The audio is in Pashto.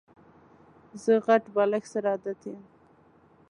زه غټ بالښت سره عادت یم.